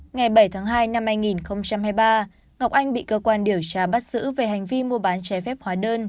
ngày bảy tháng hai năm hai nghìn hai mươi ba ngọc anh bị cơ quan điều tra bắt giữ về hành vi mua bán trái phép hóa đơn